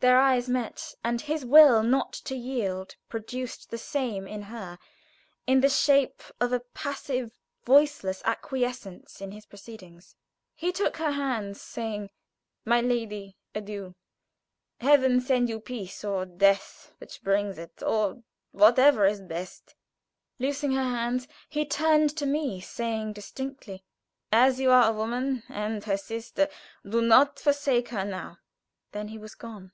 Their eyes met, and his will not to yield produced the same in her, in the shape of a passive, voiceless acquiescence in his proceedings. He took her hands, saying: "My lady, adieu! Heaven send you peace, or death, which brings it, or whatever is best." Loosing her hands he turned to me, saying distinctly: "As you are a woman, and her sister, do not forsake her now." Then he was gone.